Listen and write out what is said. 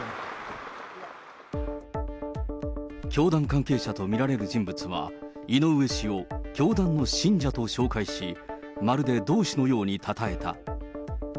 教団関係者とみられる人物は、井上氏を教団の信者と紹介し、まるで同志のようにたたえた。